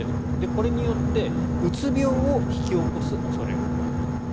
これによってうつ病を引き起こす恐れがあると。